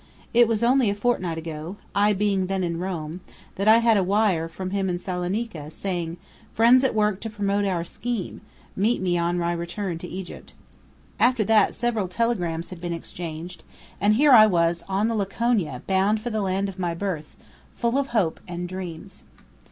It was only a fortnight ago I being then in Rome that I had had a wire from him in Salonica saying, "Friends at work to promote our scheme. Meet me on my return to Egypt." After that, several telegrams had been exchanged; and here I was on the Laconia bound for the land of my birth, full of hope and dreams.